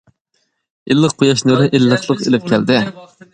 ئىللىق قۇياش نۇرى ئىللىقلىق ئېلىپ كەلدى.